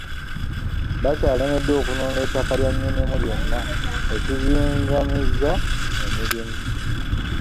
Bakyalemeddwa okununula ettaka lya Nnyinimu lyonna, ekizing'amizza emirimu.